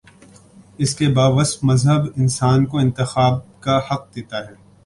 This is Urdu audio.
اس کے باوصف مذہب انسان کو انتخاب کا حق دیتا ہے۔